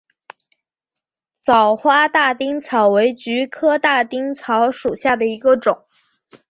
早花大丁草为菊科大丁草属下的一个种。